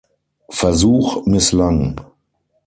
Versuch misslang.